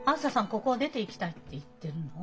「ここを出ていきたい」って言ってるの？